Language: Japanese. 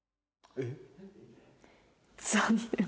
えっ？